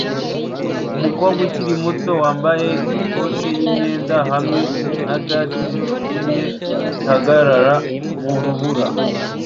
Umukobwa ukiri muto wambaye ikoti yimyenda hamwe na gants zijimye zihagarara mu rubura